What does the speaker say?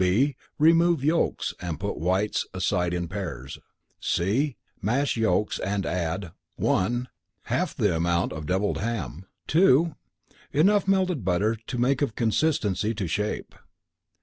(b) Remove yolks, and put whites aside in pairs. (c) Mash yolks, and add (1) Half the amount of devilled ham. (2) Enough melted butter to make of consistency to shape.